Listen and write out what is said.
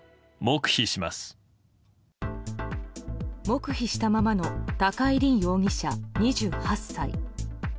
黙秘したままの高井凜容疑者、２８歳。